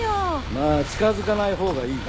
まぁ近づかないほうがいいな。